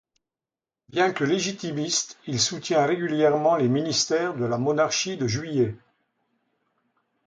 Bien que légitimiste, il soutient régulièrement les ministères de la Monarchie de Juillet.